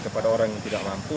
kepada orang yang tidak mampu